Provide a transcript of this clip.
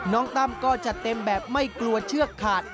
น้องต้ำก็จะเต็มแบบไม่กลัวเชือกขาด